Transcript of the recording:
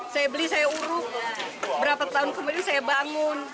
saya beli saya uruk berapa tahun kemudian saya bangun